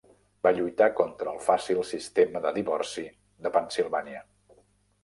Va lluitar contra el fàcil sistema de divorci de Pennsilvània.